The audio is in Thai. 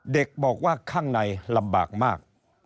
เด็กบอกว่าข้างในลำบากมาก